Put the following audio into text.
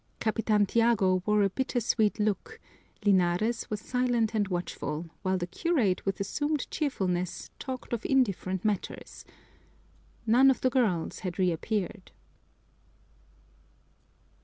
Capitan Tiago wore a bitter sweet look, Linares was silent and watchful, while the curate with assumed cheerfulness talked of indifferent matters. None of the girls had reappeared.